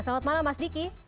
selamat malam mas diki